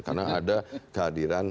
karena ada kehadiran